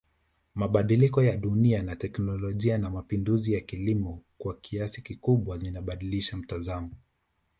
Mabadiliko ya dunia na teknolijia na mapinduzi ya kilimo kwa kiasi kikubwa zilibadilisha mtazamo